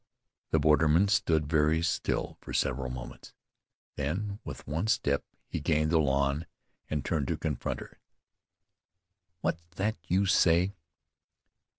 The borderman stood very still for several moments. Then, with one step he gained the lawn, and turned to confront her. "What's that you say?"